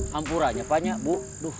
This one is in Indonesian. kampurannya banyak bu